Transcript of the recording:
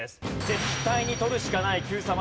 絶対に取るしかないＱさま！！